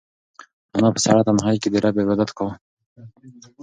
انا په سړه تنهایۍ کې د رب عبادت کاوه.